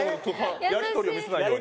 やり取りを見せないように。